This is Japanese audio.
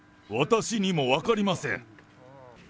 私にも分かりません。